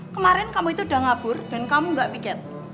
kemarin kamu itu udah ngabur dan kamu gak pikir